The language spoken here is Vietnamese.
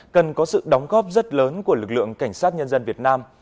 cần có sự đóng góp rất lớn của lực lượng cảnh sát nhân dân việt nam